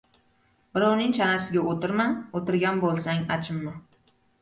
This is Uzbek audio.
• Birovning chanasiga o‘tirma, o‘tirgan bo‘lsang achinma.